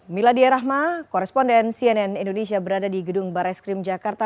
miladiyah rahma koresponden cnn indonesia berada di gedung barreskrim jakarta